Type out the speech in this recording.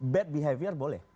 bad behavior boleh